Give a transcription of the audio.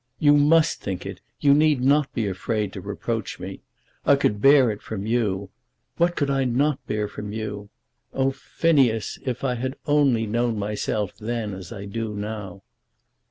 "You must think it You need not be afraid to reproach me. I could bear it from you. What could I not bear from you? Oh, Phineas; if I had only known myself then, as I do now!"